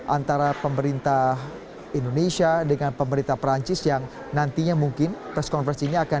antara pemerintah indonesia dengan pemerintah perancis yang nantinya mungkin press conference ini akan